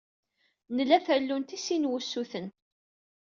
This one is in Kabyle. Nla tallunt i sin n wusuten.